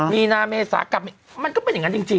มีนาเมษากลับมันก็เป็นอย่างนั้นจริง